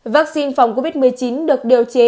vắc xin phòng covid một mươi chín được điều chế